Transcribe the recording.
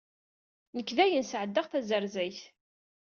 Nekk dayen sɛeddaɣ tazerzayt.